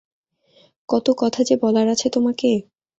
কত কথা যে বলার আছে তোমাকে।